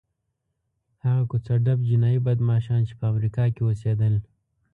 هغه کوڅه ډب جنایي بدماشان چې په امریکا کې اوسېدل.